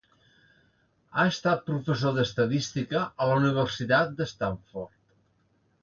Ha estat professor d'estadística a la Universitat de Stanford.